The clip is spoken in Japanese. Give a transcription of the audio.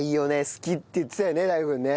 好きって言ってたよね